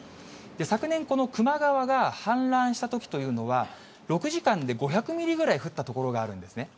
昨年、この球磨川が氾濫したときというのは、６時間で５００ミリぐらい降った所があるんですね。